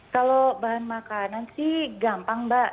kalau bahan makanan sih gampang mbak